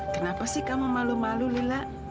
kenapa sih kamu malu malu lila